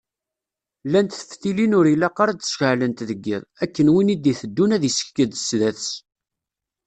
Llant teftilin ur ilaq ara ad ceɛlent deg yiḍ, akken win i d-iteddun ad isekked sdat-s.